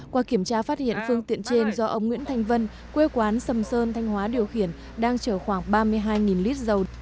qua kiểm tra phát hiện phương tiện trên do ông nguyễn thanh vân quê quán sầm sơn thanh hóa điều khiển đang chở khoảng ba mươi hai lít dầu